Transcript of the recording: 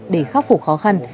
để khắc phục khó khăn